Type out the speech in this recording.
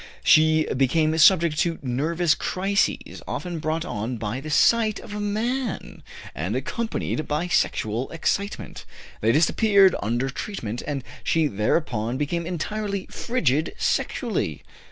She became subject to nervous crises, often brought on by the sight of a man, and accompanied by sexual excitement. They disappeared under treatment, and she thereupon became entirely frigid sexually.